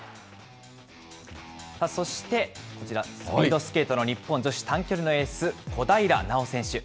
そして、こちら、スピードスケートの日本女子短距離のエース、小平奈緒選手。